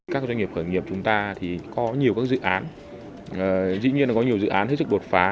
các doanh nghiệp khởi nghiệp chúng ta có nhiều dự án dĩ nhiên có nhiều dự án hết sức đột phá